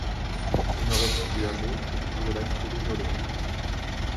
Au Nord-Est du hameau se trouve le lac Brignolet.